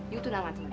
yu tunangannya raka